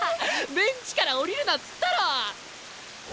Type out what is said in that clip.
ベンチから下りるなっつったろう！